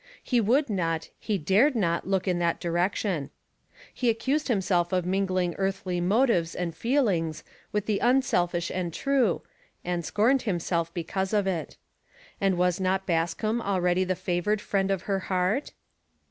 He would not, he dared not look in that direction. He accused himself of mingling earthly motives and feelings with the unselfish and true, and scorned himself because of it. And was not Bascombe already the favoured friend of her heart?